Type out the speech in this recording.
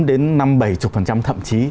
đến năm mươi bảy mươi thậm chí